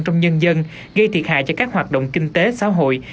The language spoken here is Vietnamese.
trong nhân dân gây thiệt hại cho các hoạt động kinh tế xã hội